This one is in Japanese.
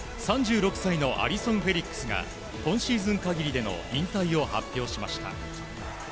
３６歳のアリソン・フェリックスが今シーズン限りでの引退を発表しました。